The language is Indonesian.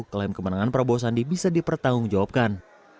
klaim kemenangan prabowo sandi bisa dipertanggungjawabkan